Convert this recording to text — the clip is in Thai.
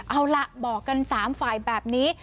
เอาล่ะบอกกัน๓ฝ่ายแบบนี้